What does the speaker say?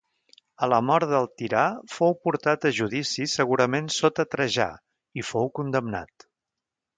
A la mort del tirà fou portat a judici segurament sota Trajà, i fou condemnat.